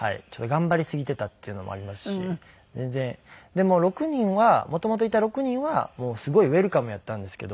でも６人は元々いた６人はすごいウェルカムやったんですけど。